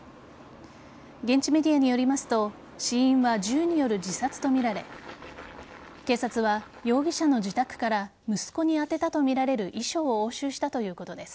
現地メディアによりますと死因は銃による自殺とみられ警察は容疑者の自宅から息子に宛てたとみられる遺書を押収したということです。